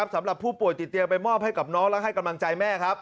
สำหรับผู้ป่วยติดเตียงไปมอบให้กับน้องและให้กำลังใจแม่ครับ